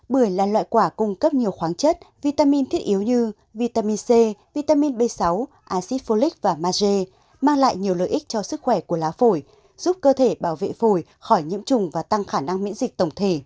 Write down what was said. bưởi là loại quả cung cấp nhiều khoáng chất vitamin thiết yếu như vitamin c vitamin b sáu acid folic và mage mang lại nhiều lợi ích cho sức khỏe của lá phổi giúp cơ thể bảo vệ phổi khỏi nhiễm trùng và tăng khả năng miễn dịch tổng thể